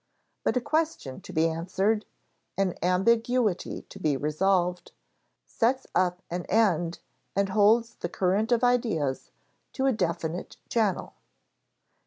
But a question to be answered, an ambiguity to be resolved, sets up an end and holds the current of ideas to a definite channel.